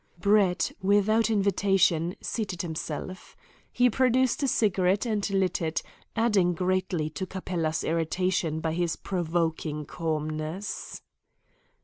Brett, without invitation, seated himself. He produced a cigarette and lit it, adding greatly to Capella's irritation by his provoking calmness.